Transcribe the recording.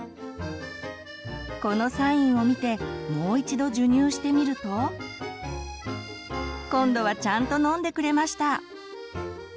このサインを見てもう一度授乳してみると今度はちゃんと飲んでくれました！